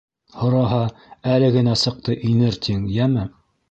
Һораһа, әле генә сыҡты, инер, тиң, йәме?